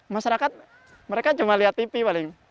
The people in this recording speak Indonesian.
masyarakat mereka cuma lihat tv paling